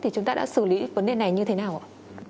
thì chúng ta đã xử lý vấn đề này như thế nào ạ